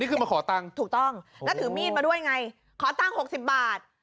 คือมาขอตังค์ถูกต้องแล้วถือมีดมาด้วยไงขอตังค์๖๐บาท